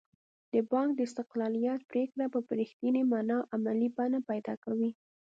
د بانک د استقلالیت پرېکړه به په رښتینې معنا عملي بڼه پیدا کوي.